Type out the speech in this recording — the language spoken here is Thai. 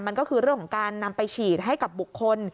มันก็คือเรื่องของการนำไปฉีดให้กับบุคคล